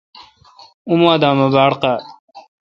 اوہ دا مہ باڑ قاد۔